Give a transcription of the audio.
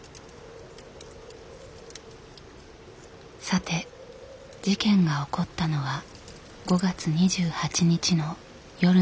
さて事件が起こったのは５月２８日の夜のこと。